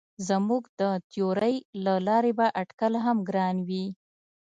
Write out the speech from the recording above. زموږ د تیورۍ له لارې به اټکل هم ګران وي.